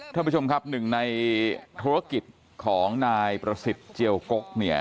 ท่านผู้ชมครับหนึ่งในธุรกิจของนายประสิทธิ์เจียวกกเนี่ย